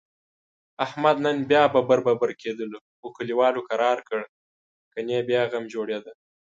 احمد نن بیا ببر ببر کېدلو، خو کلیوالو کرارکړ؛ گني بیا غم جوړیدا.